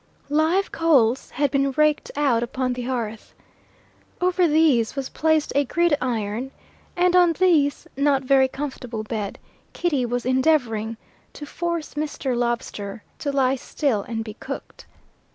Live coals had been raked out upon the hearth. Over these was placed a gridiron, and on this not very comfortable bed Kitty was endeavoring to force Mr. Lobster to lie still and be cooked.